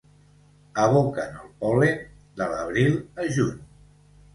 Aboquen el pol·len de l'abril a juny.